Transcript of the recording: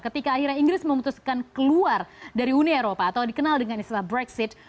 ketika akhirnya inggris memutuskan keluar dari uni eropa atau dikenal dengan istilah brexit